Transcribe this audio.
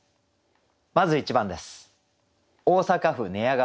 まず１番です。